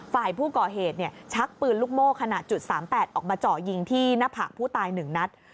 ฝ่ายผู้ก่อเหตุชักปืนลูกโม่ขนาด๓๘ออกมาเจาะยิงที่หน้าผากผู้ตาย๑นัด